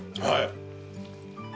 はい。